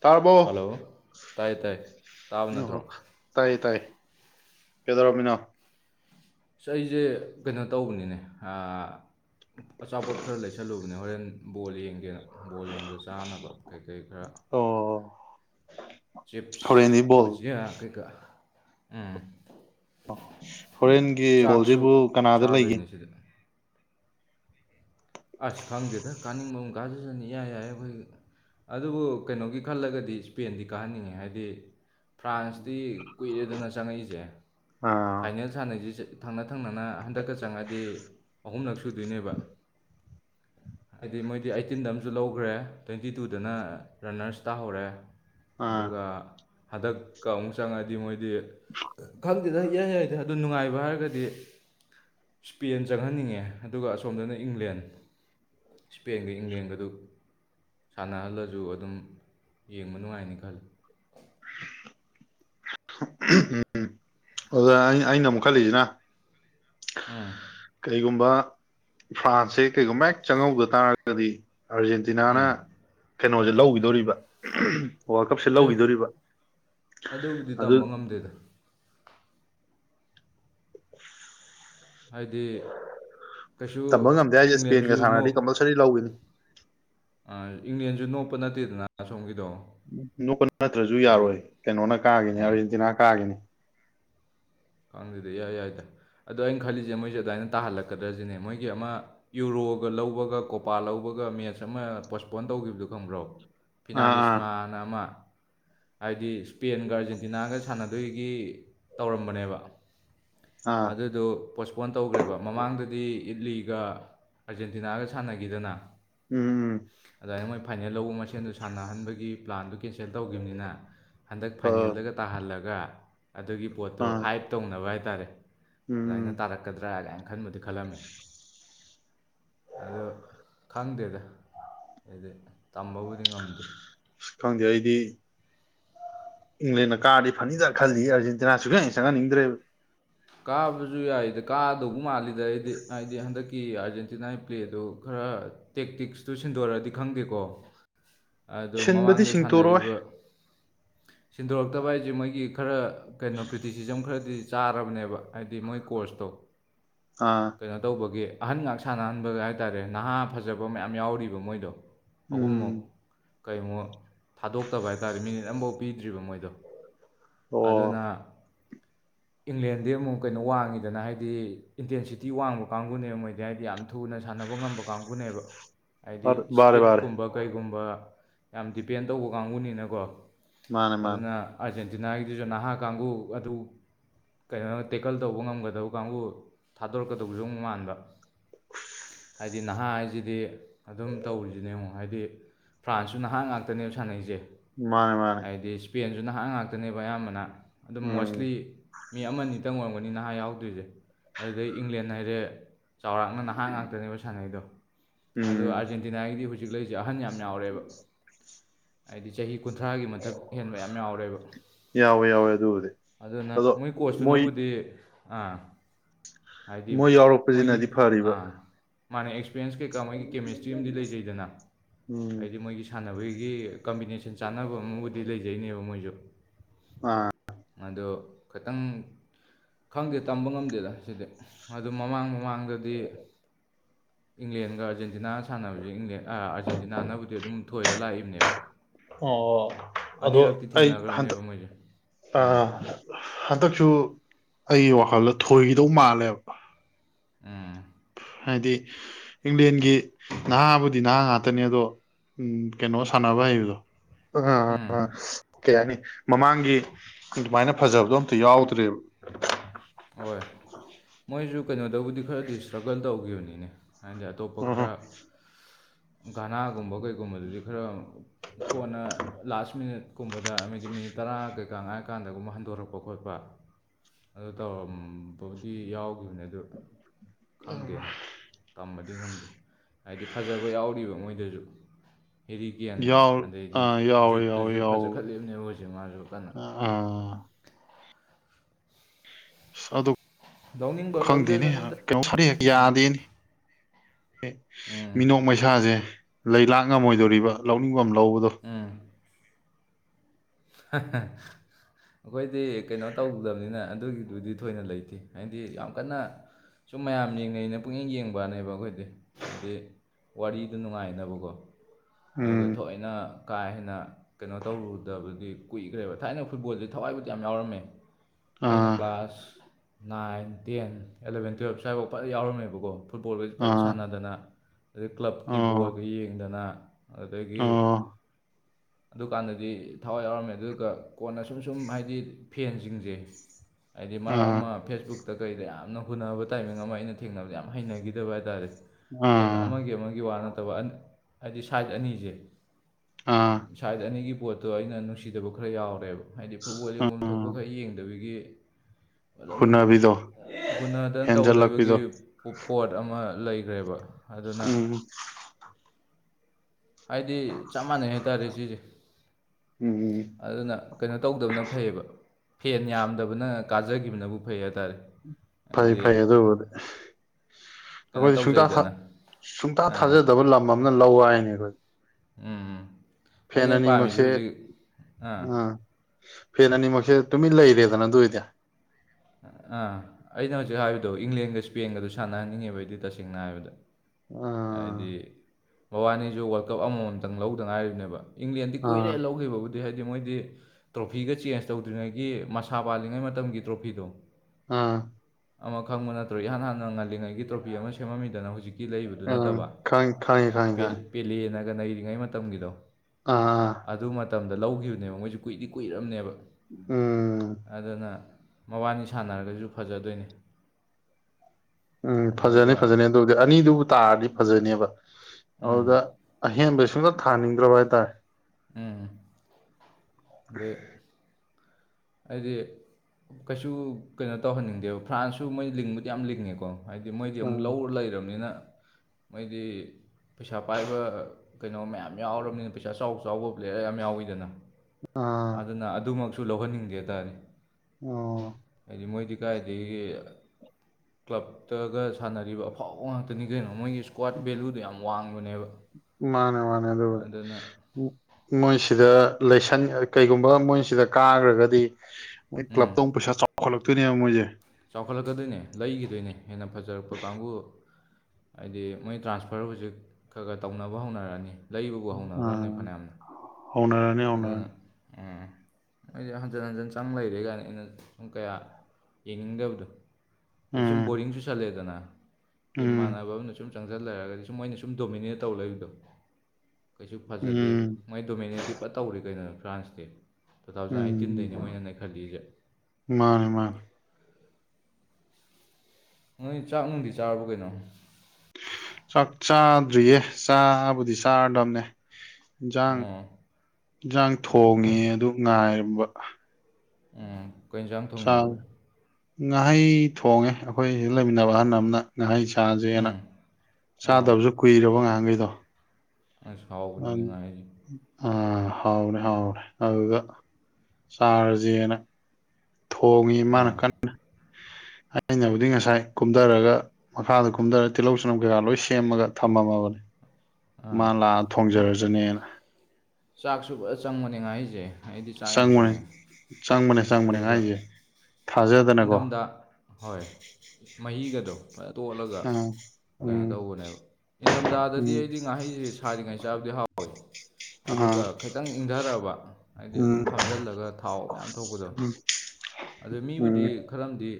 ꯇꯥꯔꯕꯣ ꯍꯜꯂꯣ ꯇꯥꯏꯌꯦ ꯇꯥꯏ ꯇꯥꯕ ꯅꯠꯇ꯭ꯔꯣ [unintelligible] ꯇꯥꯏꯌꯦ ꯇꯥꯏꯌꯦ ꯀꯩꯗꯧꯔꯝꯃꯤꯅꯣ ꯑꯁ ꯑꯩꯖꯦ ꯀꯩꯅꯣ ꯇꯧꯕꯅꯤꯅꯦ ꯑꯥ ꯑꯆꯥꯄꯣꯠ ꯈꯔ ꯂꯩꯁꯜꯂꯨꯕꯅꯦ ꯍꯣꯔꯦꯟ ꯕꯣꯜ ꯌꯦꯡꯒꯦꯅ ꯕꯣꯜ ꯌꯦꯡꯕꯗ ꯆꯥꯅꯕ ꯀꯩꯀꯩ ꯈꯔ ꯑꯣ ꯆꯤꯞꯁ ꯍꯣꯔꯦꯟꯗꯤ ꯕꯣꯜ ꯕꯨꯖꯤꯌꯥ ꯀꯩꯀꯥ ꯑ ꯑꯣ ꯍꯣꯔꯦꯟꯒꯤ ꯕꯣꯜꯁꯤꯕꯨ ꯀꯅꯥꯗ ꯂꯩꯒꯦ [unintelligible] ꯑꯁ ꯈꯪꯗꯦꯗ ꯀꯥꯅꯤꯡꯕ ꯑꯝ ꯀꯥꯖꯖꯅꯤ ꯏꯌꯥ ꯌꯥꯏ ꯑꯩꯈꯣꯏꯗꯤ ꯑꯗꯨꯕꯨ ꯀꯩꯅꯣꯒꯤ ꯈꯜꯂꯒꯗꯤ ꯁ꯭ꯄꯦꯟꯗꯤ ꯀꯥꯍꯟꯅꯤꯡꯉꯦ ꯍꯥꯏꯗꯤ ꯐ꯭ꯔꯥꯟꯁꯇꯤ ꯀꯨꯏꯔꯦꯗꯅ ꯆꯪꯉꯛꯏꯁꯦ ꯑꯥ ꯐꯥꯏꯅꯦꯜ ꯁꯥꯟꯅꯒ꯭ꯔꯤꯁꯦ ꯊꯪꯅ ꯊꯪꯅꯅ ꯍꯟꯗꯛꯀ ꯆꯪꯉꯗꯤ ꯑꯍꯨꯝꯂꯛ ꯁꯨꯗꯣꯏꯅꯦꯕ ꯍꯥꯏꯗꯤ ꯃꯣꯏꯗꯤ ꯑꯩꯠꯇꯤꯟꯗ ꯑꯃꯁꯨ ꯂꯧꯈ꯭ꯔꯦ ꯇ꯭ꯋꯦꯟꯇꯤ ꯇꯨꯗꯅ ꯔꯟꯅꯔꯁ ꯇꯥꯍꯧꯔꯦ ꯑꯥ ꯑꯗꯨꯒ ꯍꯟꯗꯛꯀ ꯑꯃꯨꯛ ꯆꯪꯉꯛꯑꯗꯤ ꯃꯣꯏꯗꯤ ꯈꯪꯗꯦꯗ ꯏꯌꯥ ꯌꯥꯏꯗ ꯑꯗꯨ ꯅꯨꯡꯉꯥꯏꯕ ꯍꯥꯏꯔꯒꯗꯤ ꯁ꯭ꯄꯦꯟ ꯆꯪꯍꯟꯅꯤꯡꯉꯦ ꯑꯗꯨꯒ ꯑꯁꯣꯝꯗꯅ ꯏꯪꯂꯦꯟ ꯁ꯭ꯄꯦꯟꯒ ꯏꯪꯂꯦꯟꯒꯗꯨ ꯁꯥꯟꯅꯍꯜꯂꯖꯨ ꯑꯗꯨꯝ ꯌꯦꯡꯕ ꯅꯨꯡꯉꯥꯏꯅꯤ ꯈꯜꯂꯦ ꯎꯝ ꯎꯝ ꯑꯗꯨꯗ ꯑꯩꯅ ꯑꯩꯅ ꯑꯃꯨꯛ ꯈꯜꯂꯤꯁꯤꯅ ꯎꯝ ꯀꯩꯒꯨꯝꯕ ꯐ꯭ꯔꯥꯟꯁꯁꯦ ꯀꯩꯒꯨꯝꯕ ꯍꯦꯛ ꯆꯪꯍꯧꯗ ꯇꯥꯔꯒꯗꯤ ꯑꯔꯖꯦꯟ ꯇꯤꯅꯥꯅ ꯎꯝ ꯀꯩꯅꯣꯁꯦ ꯂꯧꯈꯤꯗꯣꯔꯤꯕ ꯎꯝ ꯋꯥꯔꯜ ꯀꯞꯁꯦ ꯑꯦ ꯂꯧꯈꯤꯗꯣꯔꯤꯕ ꯑꯗꯨꯕꯨꯗꯤ ꯑꯗꯨ ꯇꯝꯕ ꯉꯝꯗꯦꯗ ꯍꯥꯏꯗꯤ ꯀꯩꯁꯨ ꯇꯝꯕ ꯉꯝꯗꯦ ꯍꯥꯏꯁꯦ ꯏꯁꯄꯦꯟꯒ ꯏꯪꯂꯦꯟꯖꯨ ꯅꯣꯞ ꯁꯥꯟꯅꯔꯗꯤ ꯀꯝꯄꯜꯁꯔꯤ ꯂꯧꯒꯅꯤ ꯑꯥ ꯏꯪꯂꯦꯟꯁꯨ ꯅꯣꯞꯄ ꯅꯠꯇꯦꯗꯅ ꯑꯁꯣꯝꯒꯤꯗꯣ ꯅꯣꯞꯄ ꯅꯠꯇ꯭ꯔꯖꯨ ꯑꯗꯨ ꯌꯥꯔꯣꯏ ꯀꯩꯅꯣꯅ ꯀꯥꯒꯤꯅꯤ ꯎꯝ ꯑꯥꯔꯖꯦꯟꯇꯤꯅꯥ ꯀꯥꯒꯤꯅꯤ ꯈꯪꯗꯦꯗ ꯏꯌꯥ ꯌꯥꯏꯗ ꯑꯗꯣ ꯑꯩꯅ ꯈꯜꯂꯤꯁꯦ ꯃꯣꯏꯁꯦ ꯑꯗꯨꯃꯥꯏꯅ ꯇꯥꯍꯜꯂꯛꯀꯗ꯭ꯔ ꯁꯤꯅꯦ ꯃꯣꯏꯒꯤ ꯑꯃ ꯌꯨꯔꯣꯒ ꯂꯧꯕꯒ ꯀꯣꯄꯥ ꯂꯧꯕꯒ ꯃꯦꯠꯁ ꯑꯃ ꯄꯣꯁꯄꯣꯟ ꯇꯧꯈꯤꯕꯗꯨ ꯈꯪꯕ꯭ꯔꯣ ꯑꯥ ꯑꯥ ꯐꯤꯅꯥꯂꯤꯁꯃꯥꯅ ꯑꯃ ꯍꯥꯏꯗꯤ ꯁ꯭ꯄꯦꯟꯒ ꯑꯥꯔꯖꯦꯟꯇꯤꯅꯥꯒ ꯁꯥꯟꯅꯗꯣꯏꯒꯤ ꯇꯧꯔꯝꯕꯅꯦꯕ ꯑꯥ ꯑꯗꯨꯗꯨ ꯄꯣꯁꯄꯣꯟ ꯇꯧꯒ꯭ꯔꯦꯕ ꯃꯃꯥꯡꯗꯗꯤ ꯏꯠꯂꯤꯒ ꯑꯥꯔꯖꯦꯟꯇꯤꯅꯥꯒ ꯁꯥꯟꯅꯒꯤꯗꯅ ꯎꯝ ꯎꯝ ꯑꯗꯨꯋꯥꯏꯅ ꯃꯣꯏ ꯐꯥꯏꯅꯦꯜ ꯂꯧꯕ ꯃꯁꯦꯟꯗꯨ ꯁꯥꯟꯅꯍꯟꯕꯒꯤ ꯄ꯭ꯂꯥꯟꯗꯨ ꯀꯦꯟꯁꯦꯜ ꯇꯧꯒꯤꯝꯅꯤꯅ ꯍꯟꯗꯛ ꯑ ꯐꯥꯏꯅꯦꯜꯗꯒ ꯇꯥꯍꯜꯂꯒ ꯑꯗꯨꯒꯤ ꯄꯣꯠꯇꯣ ꯑꯥ ꯍꯥꯏꯞ ꯇꯧꯅꯕ ꯍꯥꯏꯇꯥꯔꯦ ꯑꯗꯥꯏꯅ ꯎꯝ ꯇꯥꯔꯛꯀꯗ꯭ꯔꯥ ꯀꯥꯏꯅ ꯈꯟꯕꯨꯗꯤ ꯈꯜꯂꯝꯃꯦ ꯑꯗꯣ ꯈꯪꯗꯦꯗ ꯍꯥꯏꯗꯤ ꯇꯝꯕꯕꯨꯗꯤ ꯉꯝꯗꯦ ꯑꯁ ꯈꯪꯗꯦ ꯑꯩꯗꯤ ꯏꯪꯂꯦꯟꯅ ꯀꯥꯔꯗꯤ ꯐꯅꯤꯗ ꯈꯜꯂꯤꯌꯦ ꯑꯔꯖꯦꯟꯇꯤꯅꯥ ꯁꯨꯡꯆꯪ ꯍꯦꯛ ꯆꯪꯍꯟꯅꯤꯡꯗ꯭ꯔꯦꯕ ꯀꯥꯕꯖꯨ ꯌꯥꯏꯗ ꯀꯥꯗꯧꯕ ꯃꯥꯜꯂꯤꯗ ꯑꯩꯗꯤ ꯍꯥꯏꯗꯤ ꯍꯟꯗꯛꯀꯤ ꯑꯔꯖꯦꯟꯇꯤꯅꯥꯒꯤ ꯄ꯭ꯂꯦꯗꯣ ꯈꯔꯥ__ ꯇꯦꯛꯇꯤꯛꯁꯇꯨ ꯁꯤꯟꯗꯣꯔꯛꯑꯗꯤ ꯈꯪꯗꯦꯀꯣ ꯑꯗꯨ ꯁꯤꯟꯕꯗꯤ ꯃꯃꯥꯡꯗ ꯁꯤꯡꯇꯣꯔꯣꯏ ꯁꯥꯟꯅꯔꯤꯕ ꯁꯤꯟꯗꯣꯔꯛꯇꯕ ꯍꯥꯏꯖꯦ ꯃꯣꯏꯒꯤ ꯈꯔ ꯀꯩꯅꯣ ꯀ꯭ꯔꯤꯇꯤꯁꯤꯖꯝ ꯈꯔꯗꯤ ꯆꯥ__ ꯔꯥꯕꯅꯦꯕ ꯍꯥꯏꯗꯤ ꯃꯣꯏ ꯀꯣꯔꯁꯇꯣ ꯑꯥ ꯀꯩꯅꯣ ꯇꯧꯕꯒꯤ ꯑꯍꯟ ꯉꯥꯛ ꯁꯥꯟꯅꯍꯟꯕꯒ ꯍꯥꯏꯇꯥꯔꯦ ꯅꯍꯥ ꯐꯖꯕ ꯃꯌꯥꯝ ꯌꯥꯎꯔꯤꯕ ꯃꯣꯏꯗꯣ ꯎꯝ ꯑꯍꯨꯝꯃꯛ ꯀꯩꯃꯨꯛ ꯊꯥꯗꯣꯛꯇꯕ ꯍꯥꯏꯇꯥꯔꯦ ꯃꯤꯅꯤꯠ ꯑꯝꯕꯥꯎ ꯄꯤꯗ꯭ꯔꯤꯕ ꯃꯣꯏꯗꯣ ꯑꯗꯨꯅ ꯑꯣ ꯏꯪꯂꯦꯟꯗꯤ ꯑꯃꯨꯛ ꯀꯩꯅꯣ ꯋꯥꯡꯉꯤꯗꯅ ꯍꯥꯏꯗꯤ ꯏꯟꯇꯦꯟꯁꯤꯇꯤ ꯋꯥꯡꯕ ꯀꯥꯡꯕꯨꯅꯦꯕ ꯃꯣꯏꯗꯤ ꯍꯥꯏꯗꯤ ꯌꯥꯝ ꯊꯨꯅ ꯁꯥꯟꯅꯕ ꯉꯝꯕ ꯀꯥꯡꯕꯨꯅꯦꯕ ꯍꯥꯏꯗꯤ ꯕꯥꯔꯦ ꯕꯥꯔꯦ ꯏꯁꯄꯤꯠꯀꯨꯝꯕ ꯀꯩꯒꯨꯝꯕ ꯌꯥꯝ ꯗꯤꯄꯦꯟ ꯇꯧꯕ ꯀꯥꯡꯕꯨꯅꯤꯅꯀꯣ ꯃꯥꯅꯦ ꯃꯥꯅꯦ ꯑꯗꯨꯅ ꯑꯥꯔꯖꯦꯟꯇꯤꯅꯥꯒꯤꯗꯨꯁꯨ ꯅꯍꯥ ꯀꯥꯡꯕꯨ ꯑꯗꯨ ꯀꯩꯅꯣ ꯇꯦꯀꯜ ꯇꯧꯕ ꯉꯝꯒꯗꯕ ꯀꯥꯡꯕꯨ ꯊꯥꯗꯣꯔꯛꯀꯗꯧꯕꯖꯨ ꯃꯨꯛ ꯃꯥꯟꯕ ꯍꯥꯏꯗꯤ ꯅꯍꯥ ꯍꯥꯏꯖꯤꯗꯤ ꯑꯗꯨꯝ ꯇꯧꯔꯤꯖꯤꯅꯦ ꯑꯃꯨꯛ ꯍꯥꯏꯗꯤ ꯐ꯭ꯔꯥꯟꯁꯁꯨ ꯅꯍꯥ ꯉꯥꯛꯇꯅꯦ ꯁꯥꯟꯅꯩꯖꯦ ꯃꯥꯅꯦ ꯃꯥꯅꯦ ꯍꯥꯏꯗꯤ ꯏꯁꯄꯦꯟꯖꯨ ꯅꯍꯥ ꯉꯥꯛꯇꯅꯦꯕ ꯑꯌꯥꯝꯕꯅ ꯑꯗꯨꯝ ꯎꯝ ꯃꯣꯁꯂꯤ ꯃꯤ ꯑꯃꯅꯤꯇꯪ ꯑꯣꯏꯔꯝꯒꯅꯤ ꯅꯍꯥ ꯌꯥꯎꯗ꯭ꯔꯤꯖꯦ ꯑꯗꯨꯗꯩ ꯏꯪꯂꯦꯟ ꯍꯥꯏꯔꯦ ꯆꯥꯎꯔꯥꯛꯅ ꯅꯍꯥ ꯉꯥꯛꯇꯅꯦꯕ ꯁꯥꯟꯅꯩꯗꯣ ꯎꯝ ꯑꯗꯨ ꯑꯥꯔꯖꯦꯟ__ ꯇꯤꯅꯥꯒꯤꯗꯤ ꯍꯧꯖꯤꯛ ꯂꯩꯔꯤꯁꯦ ꯑꯍꯟ ꯌꯥꯝ ꯌꯥꯎꯔꯦꯕ ꯍꯥꯏꯗꯤ ꯆꯍꯤ ꯀꯨꯟꯊ꯭ꯔꯥꯒꯤ ꯃꯊꯛ ꯑꯍꯦꯟꯕ ꯃꯌꯥꯝ ꯌꯥꯎꯔꯦꯕ ꯌꯥꯎꯋꯦ ꯌꯥꯎꯋꯦ ꯑꯗꯨꯕꯨꯗꯤ ꯑꯗꯨꯅ ꯑꯗꯣ ꯃꯣꯏ ꯀꯣꯁꯇꯨꯅꯥꯕꯨꯗꯤ ꯑꯥ ꯍꯥꯏꯗꯤ ꯃꯣꯏ ꯃꯣꯏꯒꯤ ꯌꯥꯎꯔꯛꯄꯁꯤꯅꯗꯤ ꯐꯔꯤꯕ ꯑꯥ ꯃꯥꯟꯅꯦ ꯑꯦꯛꯁꯄꯤꯔꯦꯟꯁ ꯀꯩꯀꯥ ꯃꯣꯏꯒꯤ ꯀꯦꯃꯤꯁꯇ꯭ꯔꯤ ꯑꯃꯗꯤ ꯂꯩꯖꯩꯗꯅ ꯎꯝ ꯍꯥꯏꯗꯤ ꯃꯣꯏꯒꯤ ꯁꯥꯟꯅꯕꯒꯤ ꯀꯝꯕꯤꯅꯦꯁꯟ ꯆꯥꯟꯅꯕ ꯑꯃꯕꯨꯗꯤ ꯂꯩꯖꯩꯅꯦꯕ ꯃꯣꯏꯖꯨ ꯑꯥ ꯑꯗꯣ ꯈꯩꯇꯪ ꯈꯪꯗꯦ ꯇꯝꯕ ꯉꯝꯗꯦꯗ ꯁꯤꯗꯤ ꯑꯗꯨ ꯃꯃꯥꯡ ꯃꯃꯥꯡꯗꯗꯤ ꯏꯪꯂꯦꯟꯒ ꯑꯥꯔꯖꯦꯟꯇꯤꯅꯥꯒ ꯁꯥꯟꯅꯕꯖꯦ ꯏꯪꯂꯦꯟ__ ꯑꯥ ꯑꯥꯔꯖꯦꯟꯇꯤꯅꯥꯅꯕꯨꯗꯤ ꯑꯗꯨꯝ ꯊꯣꯏꯔ ꯂꯥꯛꯏꯝꯅꯦꯕ ꯑꯣ ꯑꯗꯣ ꯑꯅꯤꯔꯛꯇꯤ ꯑꯩ ꯍꯟꯗꯛ ꯊꯦꯡꯅꯒ꯭ꯔꯕꯅꯦꯕ ꯃꯣꯏꯖꯦ ꯑ ꯎꯝ ꯍꯟꯗꯛꯁꯨ ꯑꯩꯒꯤ ꯋꯥꯈꯜꯗ ꯊꯣꯏꯒꯤꯗꯧ ꯃꯥꯜꯂꯦꯕ ꯎꯝ ꯍꯥꯏꯗꯤ ꯏꯪꯂꯦꯟꯒꯤ ꯅꯍꯥꯕꯨꯗꯤ ꯅꯍꯥ ꯉꯥꯛꯇꯅꯦ ꯑꯗꯣ ꯎꯝ ꯀꯩꯅꯣ ꯁꯥꯟꯅꯕ ꯍꯥꯏꯕꯗꯣ ꯎꯝ ꯑꯁ ꯀꯩ ꯍꯥꯏꯅꯤ ꯃꯃꯥꯡꯒꯤ ꯑꯗꯨꯃꯥꯏꯅ ꯐꯖꯕꯗꯣ ꯑꯝꯇ ꯌꯥꯎꯗ꯭ꯔꯦꯕ ꯍꯣꯏ ꯃꯣꯏꯖꯨ ꯀꯩꯅꯣꯗꯕꯨꯗꯤ ꯈꯔꯗꯤ ꯏꯁꯇ꯭ꯔꯒꯜ ꯇꯧꯒꯤꯕꯅꯤꯅꯦ ꯍꯥꯏꯗꯦꯠ ꯑꯇꯣꯞꯄ ꯈꯔ ꯑ ꯒꯅꯥꯒꯨꯝꯕ ꯀꯩꯒꯨꯝꯕꯗꯨꯗꯤ ꯈꯔ ꯀꯣꯟꯅ ꯂꯥꯁ ꯃꯤꯅꯠ ꯀꯨꯝꯕꯗ ꯃꯤꯒꯤ ꯃꯤꯅꯤꯠ ꯇꯔꯥ ꯀꯩꯀꯥ ꯉꯥꯏꯔ ꯀꯥꯟꯗꯒꯨꯝꯕ ꯍꯟꯗꯣꯔꯛꯄ ꯈꯣꯠꯄ ꯑꯗꯨ ꯇꯧꯔꯝꯕꯕꯨꯗꯤ ꯌꯥꯎꯒꯤꯕꯅꯦ ꯑꯗꯨ ꯈꯪꯗꯦꯅꯦ ꯇꯝꯕꯗꯤ ꯉꯝꯗꯦ ꯍꯥꯏꯗꯤ ꯐꯖꯕ ꯌꯥꯎꯔꯤꯕ ꯃꯣꯏꯗꯖꯨ ꯍꯦꯔꯤꯀꯦꯟ ꯌꯥꯎ ꯑꯗꯩꯗꯤ ꯑ ꯌꯥꯎꯋꯦ ꯌꯥꯎꯋꯦ ꯖꯨꯠꯇꯨꯖꯨ ꯐꯖꯈꯠꯂꯤꯝꯅꯦꯕ ꯍꯧꯖꯤꯛ ꯃꯥꯖꯨ ꯀꯟꯅ ꯑꯥ ꯑꯁ ꯑꯗꯨ ꯂꯧꯅꯤꯡꯕ ꯑꯃ ꯈꯪꯗꯦꯅꯦ ꯂꯧꯖꯖꯅꯤꯗ [unintelligible] ꯌꯥꯗꯦꯅꯦ ꯑꯦ ꯎꯝ ꯃꯤꯅꯣꯛ ꯃꯩꯁꯥꯖꯦ ꯂꯩ ꯂꯥꯛ ꯉꯝꯃꯣꯏꯗꯣꯔꯤꯕ ꯂꯧꯅꯤꯡꯕꯃ ꯂꯧꯕꯗꯣ ꯑꯥ [inaudible] ꯑꯈꯣꯏꯗꯤ ꯀꯩꯅꯣ ꯇꯧꯗꯕꯅꯤꯅ ꯑꯗꯨꯒꯤꯗꯨꯗꯤ ꯊꯣꯏꯅ ꯂꯩꯇꯦ ꯍꯥꯏꯗꯤ ꯌꯥꯝ ꯀꯟꯅ ꯁꯨꯝ ꯃꯌꯥꯝ ꯌꯦꯡꯅꯩꯩꯅ ꯄꯨꯡꯌꯦꯡ ꯌꯦꯡꯕꯅꯦꯕ ꯑꯈꯣꯏꯗꯤ ꯍꯥꯏꯗꯤ ꯋꯥꯔꯤꯗꯨ ꯅꯨꯡꯉꯥꯏꯅꯕꯀꯣ ꯑꯗꯨꯒ ꯎꯝ ꯊꯑꯣꯏꯅ ꯀꯥ ꯍꯦꯟꯅ ꯀꯩꯅꯣ ꯇꯧꯔꯨ ꯗꯕꯗꯤ ꯀꯨꯏꯈ꯭ꯔꯦꯕ ꯊꯥꯏꯅ ꯐꯨꯠꯕꯣꯜꯖꯦ ꯊꯋꯥꯏꯕꯨꯗꯤ ꯌꯥꯝ ꯌꯥꯎꯔꯝꯃꯦ ꯑꯩꯅ ꯑꯥ class nine ten eleven twelve ꯁ꯭ꯋꯥꯏꯐꯥꯎ ꯐꯖ ꯌꯥꯎꯔꯝꯃꯦꯕꯀꯣ ꯐꯨꯠꯕꯣꯜꯒꯖꯤ ꯐꯖ ꯑꯥ ꯁꯥꯟꯅꯗꯅ ꯑꯗꯩ ꯀ꯭ꯂꯕꯀꯤ ꯑꯣ ꯕꯣꯜꯒ ꯌꯦꯡꯗꯅ ꯑꯗꯒꯤ ꯑꯣ ꯑꯗꯨꯀꯥꯟꯗꯗꯤ ꯊꯋꯥꯏ ꯌꯥꯎꯔꯝꯃꯦ ꯑꯗꯨꯒ ꯀꯣꯟꯅ ꯁꯨꯝ ꯁꯨꯝ ꯍꯥꯏꯗꯤ ꯐꯦꯟꯖꯤꯡꯖꯦ ꯍꯥꯏꯗꯤ ꯃꯔꯛ ꯑꯥ ꯑꯃ ꯐꯦꯁꯕꯨꯛ ꯇ ꯀꯩꯗ ꯌꯥꯝꯅ ꯍꯨꯟꯅꯕ ꯇꯥꯏꯃꯤꯡ ꯑꯃ ꯑꯩꯅ ꯊꯦꯡꯅꯕꯗ ꯌꯥꯝ ꯍꯩꯅꯒꯤꯗꯕ ꯍꯥꯏꯇꯥꯔꯦ ꯐꯦꯟ ꯑꯥ ꯑꯃꯒꯤ ꯑꯃꯒꯤ ꯋꯥ ꯅꯠꯇꯕ ꯑꯟ ꯍꯥꯏꯗꯤ ꯁꯥꯏꯠ ꯑꯅꯤꯖꯦ ꯑꯥ ꯁꯥꯏꯠ ꯑꯅꯤꯒꯤ ꯄꯣꯠꯇꯣ ꯑꯩꯅ ꯅꯨꯡꯁꯤꯗꯕ ꯈꯔ ꯌꯥꯎꯔꯦꯕ ꯍꯥꯏꯗꯤ ꯐꯨꯠꯕꯣꯜ ꯌꯦꯡꯕꯝ ꯊꯣꯛ ꯎꯝ [unintelligible] ꯌꯦꯡꯗꯕꯤꯒꯤ ꯑꯗꯨꯝ ꯍꯨꯅꯕꯤꯗꯣ ꯍꯨꯟꯅꯗꯅ ꯇꯧ ꯍꯦꯟꯖꯜꯂꯛꯄꯤꯗꯣ ꯂꯩꯕꯒꯤ ꯄꯣ ꯄꯣꯠ ꯑꯃ ꯂꯩꯒ꯭ꯔꯦꯕ ꯎꯝ ꯍꯥꯏꯗꯤ ꯆꯞ ꯃꯥꯟꯅꯩ ꯍꯥꯏꯇꯥꯔꯦ ꯁꯤꯖꯦ ꯎꯝ ꯑꯗꯨꯅ ꯀꯩꯅꯣ ꯇꯧꯗꯕꯅ ꯐꯩꯌꯦꯕ ꯐꯦꯟ ꯌꯥꯝꯗꯕꯅ ꯀꯥꯖꯒꯤꯕꯅꯕꯨ ꯐꯩ ꯍꯥꯏꯇꯥꯔꯦ ꯐꯩ ꯍꯥꯏꯗꯤ ꯐꯩ ꯑꯗꯨꯕꯨꯗꯤ ꯀꯩꯅꯣ ꯑꯈꯣꯏꯗꯤ ꯁꯨꯡꯇꯥ ꯊꯥ ꯇꯧꯖꯩꯗꯅ ꯁꯨꯡꯊꯥ ꯑꯥ ꯊꯥꯖꯗꯕ ꯂꯝ ꯑꯃꯅ ꯂꯧ ꯍꯥꯏꯅꯦ ꯑꯈꯣꯏ ꯎꯝ ꯑꯩꯅ ꯄꯥꯝꯃꯤꯖꯤ ꯑꯅꯤꯃꯛꯁꯦ ꯍꯧꯖꯤꯛ ꯑꯥ ꯐꯦꯟ ꯑꯅꯤꯃꯛꯁꯦ ꯇꯨꯃꯤꯟ ꯂꯩꯔꯦꯗꯅ ꯑꯗꯨ ꯑꯣꯏꯗꯤ ꯑꯥ ꯑꯩꯅ ꯍꯧꯖꯤꯛ ꯍꯥꯏꯕꯗꯣ ꯏꯪꯂꯦꯟꯒ ꯏꯁꯄꯦꯟꯒꯗꯨ ꯁꯥꯟꯅꯍꯟꯅꯤꯡꯉꯦꯕ ꯑꯩꯗꯤ ꯇꯁꯦꯡꯅ ꯍꯥꯏꯕꯗ ꯑ ꯍꯥꯏꯗꯤ ꯃꯕꯥꯅꯤꯖꯨ ꯋꯥꯔꯜ ꯀꯞ ꯑꯃꯃꯝꯇꯪ ꯂꯧꯗ ꯉꯥꯏꯔꯤꯕꯅꯦꯕ ꯏꯪꯂꯦꯟꯗꯤ ꯀꯨꯏꯔꯦ ꯑꯥ ꯂꯧꯈꯤꯕꯕꯨ ꯗꯤ ꯍꯥꯏꯗꯤ ꯃꯣꯏꯗꯤ ꯇ꯭ꯔꯣꯐꯤꯒ ꯆꯦꯟꯁ ꯇꯧꯗ꯭ꯔꯤꯉꯩꯒꯤ ꯃꯁꯥ ꯄꯥꯜꯂꯤꯉꯩ ꯃꯇꯝꯒꯤ ꯇ꯭ꯔꯣꯐꯤꯗꯣ ꯑꯥ ꯑꯃ ꯈꯪꯕ ꯅꯠꯇ꯭ꯔꯣ ꯏꯍꯥꯟ ꯍꯥꯟꯅ ꯉꯜꯂꯤꯉꯩꯒꯤ ꯇ꯭ꯔꯣꯐꯤ ꯑꯃ ꯁꯦꯝꯃꯝꯃꯤꯗꯅ ꯍꯧꯖꯤꯛꯀꯤ ꯂꯩꯕ ꯑ ꯈꯪꯉꯦ ꯈꯪꯉꯦ ꯈꯪꯉꯦ ꯈꯪꯉꯦ ꯄꯦꯂꯦꯅꯒ ꯅꯩꯔꯤꯉꯩ ꯃꯇꯝꯒꯤꯗꯣ ꯑꯥꯥ ꯑꯗꯨ ꯃꯇꯝꯗ ꯂꯧꯒꯤꯕꯅꯦꯕ ꯃꯣꯏꯖꯨ ꯀꯨꯏꯗꯤ ꯀꯨꯏꯔꯝꯅꯦꯕ ꯎꯝ ꯑꯗꯨꯅ ꯃꯕꯥꯅꯤ ꯁꯥꯟꯅꯔꯒꯖꯨ ꯐꯖꯗꯣꯏꯅꯦ ꯎꯝ ꯐꯖꯅꯤ ꯑꯗꯨꯒ ꯐꯖꯅꯤ ꯑꯗꯨꯕꯨꯗꯤ ꯑꯅꯤꯗꯨꯕꯨ ꯇꯥꯔꯗꯤ ꯐꯖꯅꯦꯕ ꯎꯝ ꯑꯗꯨꯗ ꯑꯍꯦꯟꯕ ꯁꯨꯡꯊꯥ ꯊꯥꯍꯟꯅꯤꯡꯗ꯭ꯔꯕ ꯍꯥꯏꯇꯥꯔꯦ ꯎꯝ ꯑꯗꯨ ꯍꯥꯏꯗꯤ ꯀꯩꯁꯨ ꯀꯩꯅꯣ ꯇꯧꯍꯟꯅꯤꯡꯗꯦꯕ ꯐ꯭ꯔꯥꯟꯁꯁꯨ ꯃꯣꯏ ꯂꯤꯡꯕꯨꯗꯤ ꯌꯥꯝ ꯂꯤꯡꯉꯦꯀꯣ ꯍꯥꯏꯗꯤ ꯃꯣꯏꯗꯤ ꯑꯃꯨꯛ ꯑꯥ ꯂꯧꯔ ꯂꯩꯔꯕꯅꯤꯅ ꯃꯣꯏꯗꯤ ꯄꯩꯁꯥ ꯄꯥꯏꯕ ꯀꯩꯅꯣ ꯃꯌꯥꯝ ꯌꯥꯎꯔꯕꯅꯤꯅ ꯄꯩꯁꯥ ꯆꯥꯎ ꯆꯥꯎꯕ ꯄ꯭ꯂꯦꯌꯥꯔ ꯌꯥꯝ ꯌꯥꯎꯋꯤꯗꯅ ꯑꯥ ꯑꯗꯨꯅ ꯑꯗꯨꯃꯛꯁꯨ ꯂꯧꯍꯟꯅꯤꯡꯗꯦ ꯍꯥꯢꯇꯥꯔꯦ ꯑꯣ ꯍꯥꯏꯗꯤ ꯃꯣꯏꯗꯤ ꯀꯥꯏꯗꯒꯤ ꯀ꯭ꯂꯞꯇꯒ ꯁꯥꯟꯅꯔꯤꯕ ꯑꯐꯥꯎꯕ ꯉꯥꯛꯇꯅꯤ ꯀꯩꯅꯣ ꯃꯣꯏꯒꯤ ꯏꯁꯀ꯭ꯋꯥꯠ ꯚꯦꯂꯨꯗꯣ ꯌꯥꯝ ꯋꯥꯡꯕꯅꯦꯕ ꯃꯥꯅꯦ ꯃꯥꯅꯦ ꯑꯗꯨꯕꯨꯗꯤ ꯑꯗꯨꯅ ꯃꯣꯏꯁꯤꯗ ꯂꯩꯁꯟ ꯀꯩꯒꯨꯝꯕꯗ ꯃꯣꯏ ꯁꯤꯗ ꯀꯥꯒ꯭ꯔꯒꯗꯤ ꯃꯣꯏ ꯎꯝ ꯀ꯭ꯂꯞꯇ ꯑꯃꯨꯛ ꯄꯩꯁꯥ ꯆꯥꯎꯈꯠꯂꯛꯇꯣꯏꯅꯦꯕ ꯃꯣꯏꯖꯦ ꯆꯥꯎꯈꯠꯂꯛꯀꯗꯣꯏꯅꯦ ꯂꯩꯈꯤꯗꯣꯏꯅꯦ ꯍꯦꯟꯅ ꯐꯖꯔꯛꯄ ꯀꯥꯡꯕꯨ ꯍꯥꯏꯗꯤ ꯃꯣꯏ ꯇ꯭ꯔꯥꯟꯁꯐꯔ ꯍꯧꯖꯤꯛ ꯈꯔ ꯈꯔ ꯇꯧꯅꯕ ꯍꯧꯅꯔꯛꯑꯅꯤ ꯂꯩꯕꯕꯨ ꯍꯧꯅꯒ꯭ꯔꯕꯅꯦ ꯑꯥ ꯐꯅꯌꯥꯝꯅ ꯍꯧꯅꯔꯅꯤ ꯑꯗꯨꯅ ꯍꯧꯅꯔꯅꯤ ꯎꯝ ꯑꯩꯗꯤ ꯍꯟꯖꯟ ꯍꯟꯖꯟ ꯆꯪ ꯂꯩꯔꯦ ꯀꯥꯏꯅ ꯑꯩꯅ ꯁꯨꯝ ꯀꯌꯥ ꯌꯦꯡꯅꯤꯡꯗꯕꯗꯣ ꯍꯥꯏꯗꯤ ꯁꯨꯝ ꯎꯝ ꯕꯣꯔꯤꯡꯁꯨ ꯆꯠꯂꯦꯗꯅ ꯎꯝ ꯃꯥꯅ [unintelligible] ꯑꯃꯅ ꯁꯨꯝ ꯆꯪꯁꯤꯜ ꯂꯩꯔꯒꯗꯤ ꯁꯨꯝ ꯃꯣꯏꯅ ꯁꯨꯝ ꯗꯣꯃꯤꯅꯦꯠ ꯇꯧ ꯂꯩꯕꯗꯣ ꯀꯩꯁꯨ ꯐꯖꯗꯦꯕ ꯎꯝ ꯃꯣꯏ ꯗꯣꯃꯤꯅꯦꯠꯇꯤ ꯄꯨꯔ ꯇꯧꯔꯦ ꯀꯩꯅꯣ ꯐ꯭ꯔꯥꯟꯁꯇꯤ ꯇꯨ ꯊꯥꯎꯖꯟ ꯎꯝ ꯑꯥꯏꯠꯇꯤꯟꯗꯩꯅꯦ ꯃꯣꯏꯅ ꯅꯩꯈꯠꯂꯛꯢꯁꯦ ꯃꯥꯅꯦ ꯃꯥꯅꯦ ꯅꯣꯏ ꯆꯥꯛ ꯅꯣꯡꯗꯤ ꯆꯥꯔꯕꯣ ꯀꯩꯅꯣ ꯆꯥꯛ ꯆꯥꯗ꯭ꯔꯤꯌꯦ ꯆꯥꯕꯨꯗꯤ ꯆꯥꯔꯗꯕꯅꯦ ꯏꯟꯁꯥꯡ ꯑꯣ ꯌꯦꯟꯁꯥꯡ ꯊꯣꯡꯉꯤ ꯑꯗꯨ ꯉꯥꯏꯔꯝꯕ ꯎꯝ ꯀꯩ ꯏꯟꯖꯥꯡ ꯊꯣꯡꯉꯤꯅꯣ ꯆꯥꯡ ꯉꯥꯍꯩ ꯊꯣꯡꯉꯦ ꯑꯩꯈꯣꯏ ꯂꯩꯃꯤꯟꯅꯕ ꯑꯍꯟ ꯑꯃꯅ ꯉꯍꯩ ꯆꯥꯁꯦꯅ ꯎꯝ ꯆꯥꯗꯕꯁꯨ ꯑꯣ ꯀꯨꯏꯔꯕ ꯅꯍꯥꯟꯈꯩꯗꯣ ꯑꯁ ꯍꯥꯎ ꯑꯝ ꯑ ꯍꯥꯎꯕꯅꯦ ꯍꯥꯎꯕꯅꯦ ꯑꯗꯨꯗ ꯆꯥꯔꯁꯦꯅ ꯀꯣꯡꯉꯤ ꯃꯥꯅ ꯑꯥ ꯀꯟꯅ ꯑꯩꯅꯕꯨꯗꯤ ꯉꯁꯥꯏ ꯀꯨꯝꯊꯔꯒ ꯃꯈꯥꯗ ꯀꯨꯝꯊꯔꯒ ꯇꯤꯜꯍꯧ ꯆꯅꯝ ꯀꯩꯀꯥ ꯂꯣꯏ ꯁꯦꯝꯃꯒ ꯊꯝꯃꯝꯃꯕꯅꯦ ꯑꯥ ꯃꯥ ꯂꯥꯛꯑ ꯊꯣꯡꯖꯔꯖꯅꯦꯅ ꯆꯥꯛꯁꯨꯨ ꯐꯖ ꯆꯪꯕꯅꯦ ꯉꯥꯍꯩꯁꯦ ꯆꯪꯕꯅꯦ ꯆꯪꯕꯅꯦ ꯆꯪꯕꯅꯦ ꯉꯥꯍꯩꯁꯦ ꯏꯟꯊꯝ ꯊꯥ ꯍꯣꯏ ꯃꯍꯤꯒꯗꯣ ꯐꯖꯅ ꯇꯣꯠꯂꯒ ꯑꯥ ꯀꯩꯅꯣ ꯎꯝ ꯇꯧꯕꯅꯦꯕ ꯏꯪꯊꯝꯊꯥꯗꯗꯤ ꯎꯝ ꯑꯩꯗꯤ ꯉꯥꯍꯩꯁꯦ ꯁꯥꯔꯤꯉꯩ ꯆꯥꯕꯗꯤ ꯍꯥꯎꯋꯦ ꯑꯥ ꯑꯗꯨꯒ ꯈꯤꯇꯪ ꯏꯪꯊꯔꯛꯑꯕ ꯍꯥꯏꯗꯤ ꯎꯝ ꯑꯗꯨꯝ ꯐꯝꯖꯜꯂꯒ ꯊꯥꯎ ꯃꯌꯥꯝ ꯊꯣꯛꯄꯗꯣ ꯑꯗ ꯎꯝ ꯃꯤꯕꯨꯗꯤ ꯈꯔ ꯑꯃꯗꯤ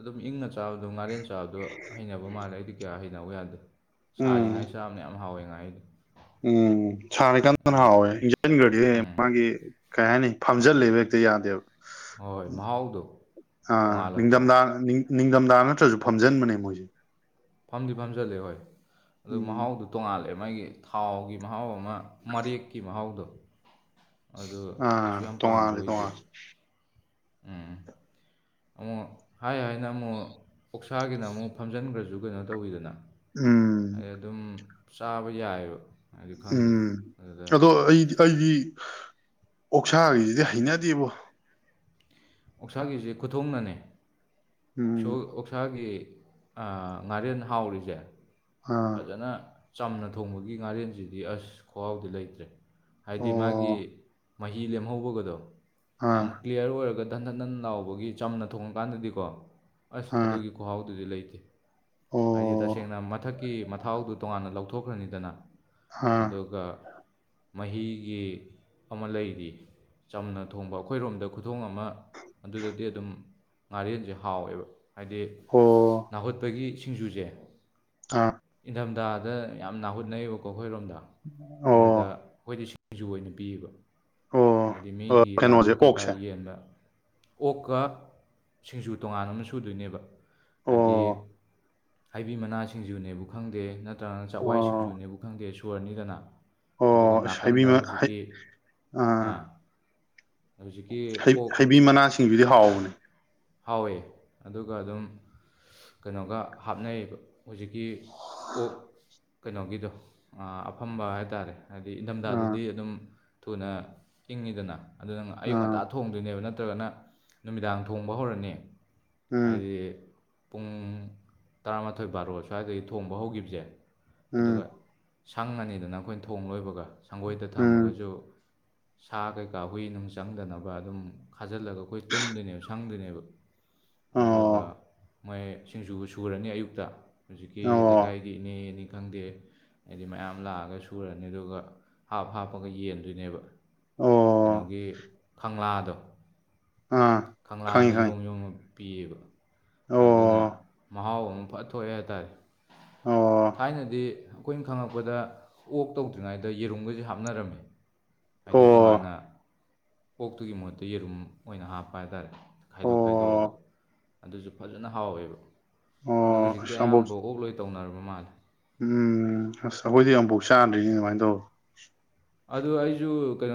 ꯑꯗꯨꯝ ꯏꯪꯅ ꯆꯥꯕꯗꯣ ꯉꯥꯔꯦꯟ ꯆꯥꯕꯗꯣ ꯍꯩꯅꯕ ꯃꯥꯜꯂꯦ ꯑꯩꯗꯤ ꯀꯌꯥ ꯍꯩ ꯍꯩꯅꯧ ꯌꯥꯗꯦ ꯎꯝ ꯁꯥꯔꯤꯉꯩ ꯆꯥꯕꯅ ꯌꯥꯝ ꯍꯥꯎꯋꯦ ꯉꯥꯍꯩꯗꯤ ꯎꯝ ꯁꯥꯔꯤ ꯀꯥꯟꯗꯅ ꯍꯥꯎꯋꯦ [unintelligible] ꯎꯝ ꯃꯥꯒꯤ ꯀꯩ ꯍꯥꯏꯅꯤ ꯐꯝꯖꯤꯜꯂꯤꯕ ꯍꯦꯛꯇ ꯌꯥꯗꯦꯕ ꯍꯣꯏ ꯃꯍꯥꯎꯗꯣ ꯑ ꯇꯣꯉꯥꯜꯂꯛꯇ꯭ꯔꯣ ꯅꯤꯡꯊꯝ ꯊꯥ ꯅꯤꯡ ꯅꯤꯡꯊꯝꯊꯥ ꯅꯠꯇ꯭ꯔꯁꯨ ꯐꯝꯖꯟꯕꯅꯦ ꯃꯣꯏꯗꯤ ꯐꯝꯗꯤ ꯐꯝꯖꯜꯂꯦ ꯍꯣꯏ ꯑꯗꯨ ꯎꯝ ꯃꯍꯥꯎꯗꯨ ꯇꯣꯡꯉꯥꯜꯂꯦ ꯃꯥꯒꯤ ꯊꯥꯎꯒꯤ ꯃꯍꯥꯎ ꯑꯃ ꯃꯔꯦꯛꯀꯤ ꯃꯍꯥꯎꯗꯣ ꯑꯗꯨ ꯑꯥ ꯀꯩꯁꯨ ꯌꯥꯝ ꯄꯥꯝꯕ ꯇꯣꯉꯥꯜꯂꯦ ꯑꯣꯏꯗꯦꯕ ꯇꯣꯉꯥꯜꯂꯦ [inaudible] ꯑꯃꯨꯛ ꯍꯥꯏ ꯍꯥꯏꯅ ꯑꯃꯨꯛ ꯑꯣꯛꯁꯥꯒꯤꯅ ꯑꯃꯨꯛ ꯐꯝꯖꯤꯟꯈ꯭ꯔꯁꯨ ꯀꯩꯅꯣ ꯇꯧꯋꯤꯗꯅ꯫ ꯎꯝ꯫ ꯑꯗꯩ ꯑꯗꯨꯝ ꯆꯥꯕ ꯌꯥꯏꯑꯦꯕ꯫ ꯎꯝ ꯑꯗꯣ ꯑꯩꯗꯤ ꯑꯩꯗꯤ ꯑꯣꯛꯁꯥꯒꯤꯁꯤꯗꯤ ꯍꯩꯅꯗꯦꯕꯣ꯫ ꯑꯣꯛꯁꯥꯒꯤꯁꯤ ꯈꯨꯊꯣꯡꯅꯅꯦ ꯎꯝ ꯐ꯭ꯌꫭꯜ ꯑꯣꯛꯁꯥꯒꯤ ꯑꯥ ꯉꯥꯔꯦꯟ ꯍꯥꯎꯔꯤꯁꯦ ꯑꯥ ꯐꯖꯅ ꯆꯝꯅ ꯊꯣꯡꯕꯒꯤ ꯉꯥꯔꯦꯟꯁꯤꯗꯤ ꯑꯁ ꯈꯍꯥꯎꯗꯤ ꯂꯩꯇ꯭ꯔꯦ꯫ ꯍꯥꯏꯗꯤ ꯃꯥꯒꯤ ꯑꯣ ꯃꯍꯤ ꯂꯦꯝꯍꯧꯕꯒꯗꯣ꯫ ꯌꯥꯝ ꯑꯥ ꯀ꯭ꯂꯤꯌꯥꯔ ꯑꯣꯏꯔꯒ ꯙꯟ ꯙꯟ ꯙꯟ ꯂꯅꯥꯎꯕꯒꯤ ꯆꯝꯅ ꯊꯣꯡꯉꯀꯥꯟꯗꯗꯤꯀꯣ ꯑꯁ ꯑꯥ ꯑꯗꯨꯒꯤ ꯈꯨꯍꯥꯎꯗꯨꯗꯤ ꯂꯩꯇꯦ ꯍꯥꯏꯗꯤ ꯑꯣ ꯇꯁꯦꯡꯅ ꯃ ꯊꯛꯀꯤ ꯃꯊꯥꯎꯗꯨ ꯇꯣꯉꯥꯟꯅ ꯂꯧꯊꯣꯛꯈ꯭ꯔꯅꯤꯗꯅ ꯑꯥ ꯑꯗꯒ ꯃꯍꯤꯒꯤ ꯑꯃ ꯂꯩꯔꯤ꯫ ꯆꯝꯅ ꯊꯣꯡꯕ ꯑꯩꯈꯣꯏꯔꯣꯝꯗ ꯈꯨꯊꯣꯡ ꯑꯃ ꯑꯗꯨꯗꯗꯤ ꯑꯗꯨꯝ ꯉꯥꯔꯦꯟꯁꯦ ꯍꯥꯎꯋꯦꯕ ꯍꯥꯏꯗꯤ ꯑꯣ ꯅꯥꯍꯨꯠꯄꯒꯤ ꯁꯤꯡꯖꯨꯁꯦ ꯑꯥ꯫ ꯏꯪꯊꯝꯊꯥꯗ ꯌꯥꯝ ꯅꯥꯍꯨꯠꯅꯩꯌꯦꯑꯕꯀꯣ ꯑꯩꯈꯣꯏꯔꯣꯝꯗ꯫ ꯑꯣ꯫ ꯑꯗꯨꯗ ꯑꯈꯣꯏꯗꯤ ꯁꯤꯡꯖꯨ ꯑꯣꯏꯅ ꯄꯤꯌꯦꯕ꯫ ꯑꯣ ꯍꯥꯏꯗꯤ ꯃꯤꯒꯤ ꯀꯩꯅꯣꯁꯦ ꯂꯥꯛꯄ ꯀꯩꯀꯥ ꯑꯣꯛꯁꯦ ꯌꯦꯟꯅ ꯑꯣꯛꯀ ꯁꯤꯡꯖꯨ ꯇꯣꯉꯥꯟ ꯑꯃ ꯁꯨꯗꯣꯏꯅꯦꯕ ꯍꯥꯏꯗꯤ ꯑꯣ ꯍꯩꯕꯤ ꯃꯅꯥ ꯁꯤꯡꯖꯨꯅꯦꯕꯨ ꯈꯪꯗꯦ ꯅꯠꯇ꯭ꯔꯒꯅ ꯆꯥꯛꯋꯥꯏ ꯑꯣ ꯁꯤꯡꯖꯨꯅꯦꯕꯨ ꯈꯪꯗꯦ ꯁꯣꯔꯅꯤꯗꯅ꯫ ꯑꯗꯨꯒ ꯑꯣ ꯑꯁ ꯍꯩꯕꯤ ꯅꯥꯀꯟꯗ ꯃ- ꯍꯩ ꯍꯨꯖꯤꯛꯀꯤ ꯑꯥ꯫ ꯍꯧꯖꯤꯛꯀꯤ ꯍꯩ ꯑꯣꯛ ꯍꯩꯕꯤ ꯃꯅꯥ ꯁꯤꯡꯖꯨꯗꯤ ꯍꯥꯎꯕꯅꯤ꯫ ꯍꯥꯎꯋꯦ ꯑꯗꯨꯒ ꯑꯗꯨꯝ ꯀꯩꯅꯣꯒ ꯍꯥꯞꯅꯩꯌꯦꯕ ꯍꯨꯖꯤꯛꯀꯤ ꯑꯣꯛ ꯀꯩꯅꯣꯒꯤꯗꯣ ꯑꯥ ꯑꯐꯝꯕ ꯍꯥꯏꯇꯥꯔꯦ꯫ ꯍꯥꯏꯗꯤ ꯑꯥ ꯏꯪꯊꯝꯊꯥꯗꯗꯤ ꯑꯗꯨꯝ ꯊꯨꯅ ꯏꯪꯉꯤꯗꯅ ꯑꯗꯨ ꯅꯪ ꯑꯌꯨꯛ ꯑꯥ ꯉꯟꯇꯥ ꯊꫭ ꯊꯣꯡꯗꯣꯏꯅꯦꯕ ꯅꯠꯇ꯭ꯔꯒꯅ ꯅꯨꯃꯤꯗꯥꯡ ꯊꯣꯡꯕ ꯍꯧꯔꯅꯤ ꯎꯝ ꯍꯥꯏꯗꯤ ꯄꯨꯡ ꯇꯔꯥꯃꯥꯊꯣꯏ ꯕꯥꯔꯣ ꯁ꯭ꯋꯥꯏꯗꯒꯤ ꯊꯣꯡꯕ ꯍꯧꯒꯤꯕꯁꯦ ꯎꯝ ꯑꯗꯨꯒ ꯁꯪꯉꯅꯤꯗꯅ ꯑꯩꯈꯣꯏꯅ ꯊꯣꯡ ꯂꯣꯏꯕꯒ ꯁꯪꯒꯣꯏꯗ ꯎꯝ ꯊꯝꯃꯒꯁꯨ ꯁꯥ ꯀꯩꯀꯥ ꯍꯨꯏ ꯅꯨꯡ ꯆꯪꯗꯅꯕ ꯑꯗꯨꯝ ꯈꯥꯖꯤꯜꯂꯒ ꯑꯩꯈꯣꯏ ꯇꯨꯝꯗꯣꯏꯅꯦꯕ ꯁꯪꯗꯣꯏꯅꯦꯕ꯫ ꯑꯗꯨꯗꯨꯒ ꯑꯣ ꯃꯣꯏ ꯁꯤꯡꯖꯨ ꯁꯨꯔꯅꯤ ꯑꯌꯨꯛꯇ ꯍꯨꯖꯤꯛꯀꯤ ꯂꯩꯀꯥꯏ ꯑꯣ ꯒꯤ ꯏꯅꯦꯅꯤ ꯈꯪꯗꯦ꯫ ꯍꯥꯏꯗꯤ ꯃꯌꯥꯝ ꯂꯥꯛꯑꯒ ꯁꯨꯔꯅꯤ ꯑꯗꯨꯒ ꯍꯥꯞ ꯍꯥꯞꯄꯒ ꯌꯦꯟꯗꯣꯏꯅꯦꯕ꯫ ꯑꯣ ꯀꯩꯅꯣꯒꯤ ꯈꯪꯂꯥꯗꯣ꯫ ꯑꯥ ꯈꯪꯉꯤ ꯈꯪꯂꯥꯗ ꯌꯣꯝ ꯈꯪꯉꯤ ꯌꯣꯝꯃ ꯄꯤꯌꯦꯕ ꯑꯣ ꯑꯗꯨꯅ ꯃꯍꯥꯎ ꯑꯃ ꯐꯠ ꯊꯣꯛꯑꯦ ꯍꯥꯏꯇꯥꯔꯦ꯫ ꯑꯣ ꯊꯥꯏꯅꯗꯤ ꯑꯈꯣꯏꯟ ꯈꯪꯉꯛꯄꯗ ꯑꯣꯛ ꯇꯧꯗ꯭ꯔꯤꯉꯩꯗ ꯌꯦꯔꯨꯝꯒꯁꯦ ꯍꯥꯞꯅꯔꯝꯃꯤ꯫ ꯍꯥꯏꯗꯤ ꯑꯣ ꯇꯣꯉꯥꯟꯅ ꯑꯣꯛꯇꯨꯒꯤ ꯃꯍꯨꯠꯇ ꯌꯦꯔꯨꯝ ꯑꯣꯏꯅ ꯍꯥꯞꯄ ꯍꯥꯏꯇꯥꯔꯦ꯫ ꯈꯥꯏꯗꯣꯛ ꯑꯣ ꯈꯥꯏꯗꯣꯛꯑꯒ ꯑꯗꯨꯁꯨ ꯐꯖꯅ ꯍꯥꯎꯋꯦꯕ ꯑꯗꯨ ꯑꯣ ꯍꯧꯖꯤꯛꯇꯤ ꯑꯁ ꯑꯝꯕꯣ ꯑꯌꯥꯝꯕ ꯑꯣꯛ ꯂꯣꯏ ꯇꯧꯅꯔꯕ ꯃꯥꯜꯂꯦ꯫ ꯎꯝ ꯑꯁ ꯑꯈꯣꯏꯗꯤ ꯑꯃꯨꯛꯐꯥꯎ ꯆꯥꯗ꯭ꯔꯤꯅꯦ ꯑꯗꯨꯃꯥꯏꯟ ꯇꯧ꯫ ꯑꯗꯨ ꯑꯩꯁꯨ ꯀꯩꯅꯣ